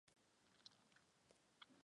Es similar al Diagrama de bloques.